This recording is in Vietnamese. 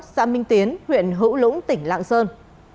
xã minh tiến huyện hữu lũng tỉnh lạng sơn